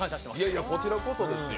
いやいや、こちらこそですよ